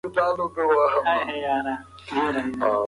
رحمان بابا د ټولنې د خلکو لپاره الهام و.